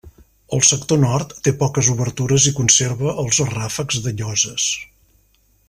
El sector nord té poques obertures i conserva els ràfecs de lloses.